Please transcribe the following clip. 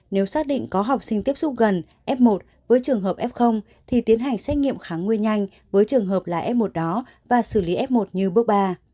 nếu xác định có học sinh tiếp xúc gần f một với trường hợp f thì tiến hành xét nghiệm kháng nguyên nhanh với trường hợp là f một đó và xử lý f một như bước ba